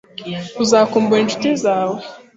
Uzakumbura inshuti zawe